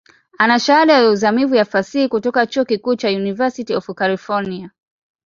Ana Shahada ya uzamivu ya Fasihi kutoka chuo kikuu cha University of California.